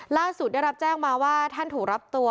ล่าสุดได้รับแจ้งมาว่าท่านถูกรับตัว